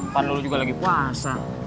pan lu juga lagi puasa